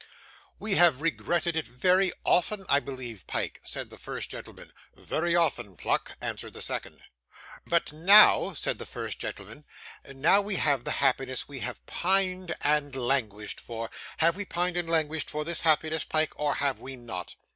'We have regretted it very often, I believe, Pyke?' said the first gentleman. 'Very often, Pluck,' answered the second. 'But now,' said the first gentleman, 'now we have the happiness we have pined and languished for. Have we pined and languished for this happiness, Pyke, or have we not?